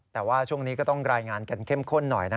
แต่ว่าช่วงนี้ก็ต้องรายงานกันเข้มข้นหน่อยนะ